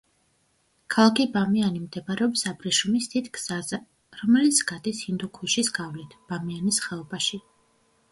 ქალაქი ბამიანი მდებარეობს აბრეშუმის დიდ გზაზე, რომელიც გადის ჰინდუქუშის გავლით, ბამიანის ხეობაში.